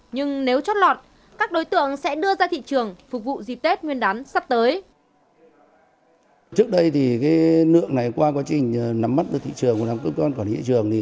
nhưng nếu chót lọt các đối tượng sẽ đưa ra thị trường phục vụ dịp tết nguyên đán sắp tới